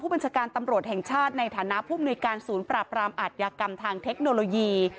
บัญชาการตำรวจแห่งชาติในฐานะผู้มนุยการศูนย์ปราบรามอาทยากรรมทางเทคโนโลยี